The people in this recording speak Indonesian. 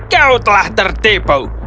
kau telah tertipu